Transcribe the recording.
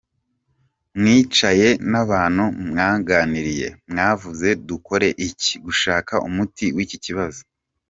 Mwicaye n’abantu mwaganiriye, mwavuze dukore iki, gushaka umuti w’iki kibazo.